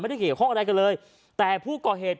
ไม่ได้เกี่ยวข้องอะไรกันเลยแต่ผู้ก่อเหตุ